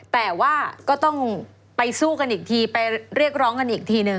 แต่ว่าก็ต้องไปสู้กันอีกทีไปเรียกร้องกันอีกทีหนึ่ง